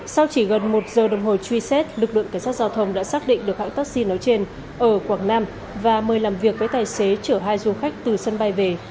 sau chỉ gần một giờ đồng hồ truy xét lực lượng cảnh sát giao thông đã xác định được hãng taxi nói trên ở quảng nam và mời làm việc với tài xế chở hai du khách từ sân bay về